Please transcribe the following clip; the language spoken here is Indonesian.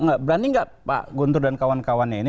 nggak berani nggak pak guntur dan kawan kawannya ini